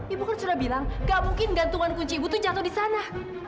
ibu kan sudah bilang gak mungkin gantungan kunci ibu tuh jatuh di sana